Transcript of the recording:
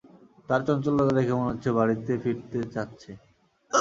তার চঞ্চলতা দেখে মনে হচ্ছে বাড়িতে ফিরতে চাচ্ছে।